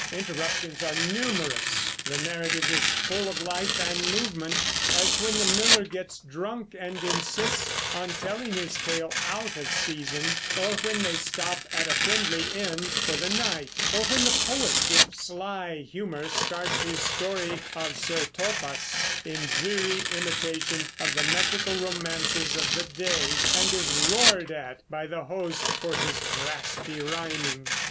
Interruptions are numerous; the narrative is full of life and movement, as when the miller gets drunk and insists on telling his tale out of season, or when they stop at a friendly inn for the night, or when the poet with sly humor starts his story of "Sir Thopas," in dreary imitation of the metrical romances of the day, and is roared at by the host for his "drasty ryming."